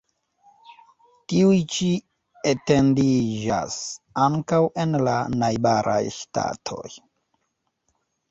Tiuj ĉi etendiĝas ankaŭ en la najbaraj ŝtatoj.